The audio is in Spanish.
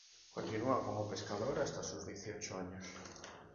Continua como pescador hasta sus dieciocho años.